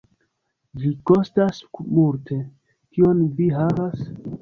Ĝi kostas multe. Kion vi havas?"